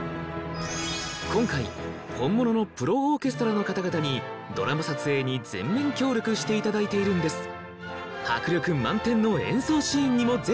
今回本物のプロオーケストラの方々にドラマ撮影に全面協力していただいているんです表